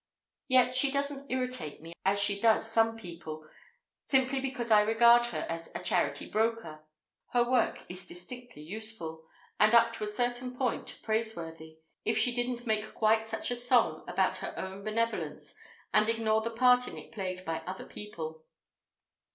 Yet she doesn't irritate me, as she does some people, simply because I regard her as a Charity Broker; her work is distinctly useful, and, up to a certain point, praiseworthy, if she didn't make quite such a song about her own benevolence and ignore the part in it played by other people.